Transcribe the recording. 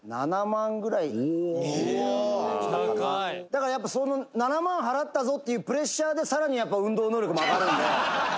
「だからやっぱその７万払ったぞっていうプレッシャーでさらにやっぱ運動能力も上がるんで」